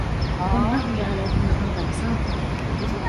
والله جعل لكم الأرض بساطا